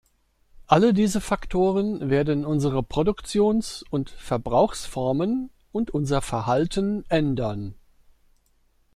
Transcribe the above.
Alle diese Faktoren werden unsere Produktions- und Verbrauchsformen und unser Verhalten ändern.